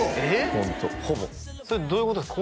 ホントほぼそれどういうことですか？